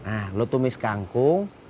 nah lo tumis kangkung